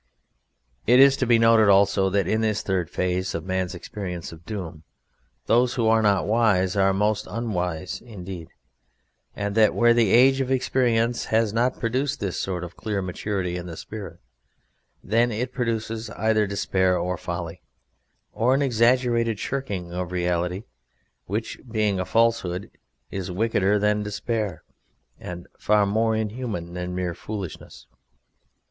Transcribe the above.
It is to be noted also that in this third phase of man's experience of doom those who are not wise are most unwise indeed; and that where the age of experience has not produced this sort of clear maturity in the spirit, then it produces either despair or folly, or an exaggerated shirking of reality, which, being a falsehood, is wickeder than despair, and far more inhuman than mere foolishness.